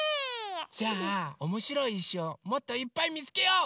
じゃあおもしろいいしをもっといっぱいみつけよう！